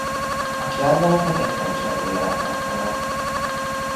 A kiadványt a Geffen kiadó jelentette meg.